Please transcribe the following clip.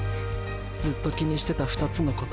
ずっと気にしてた２つのこと。